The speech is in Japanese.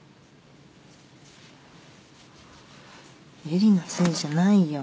ゆりのせいじゃないよ。